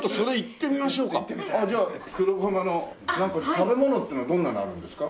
食べ物ってのはどんなのあるんですか？